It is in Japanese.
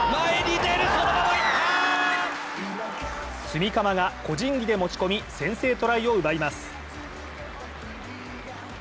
炭竃が個人技で持ち込み先制トライを奪います。